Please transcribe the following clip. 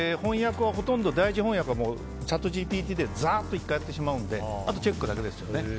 第一翻訳はもうチャットＧＰＴでざーっと１回やってしまうのであとチェックだけですよね。